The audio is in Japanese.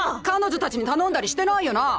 彼女たちに頼んだりしてないよな。